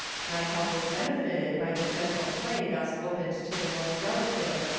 My health is benefited by the gentle play thus opened to the most delicate of the fibres.